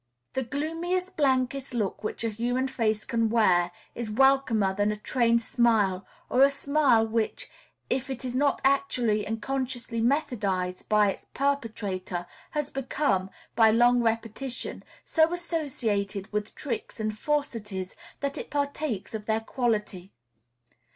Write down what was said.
The gloomiest, blankest look which a human face can wear is welcomer than a trained smile or a smile which, if it is not actually and consciously methodized by its perpetrator, has become, by long repetition, so associated with tricks and falsities that it partakes of their quality.